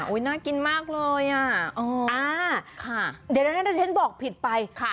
โอ้ยน่ากินมากเลยอ่ะอ่าค่ะเดี๋ยวเดี๋ยวเท้นบอกผิดไปค่ะ